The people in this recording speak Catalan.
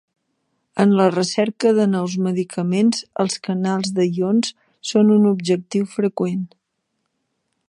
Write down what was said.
En la recerca de nous medicaments, els canals de ions són un objectiu freqüent.